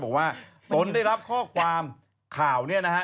ตนได้รับข้อความข่าวเนี่ยนะฮะ